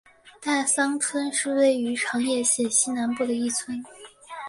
大桑村是位于长野县西南部的一村。